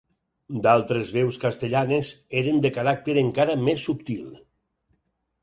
D'altres veus castellanes eren de caràcter encara més subtil.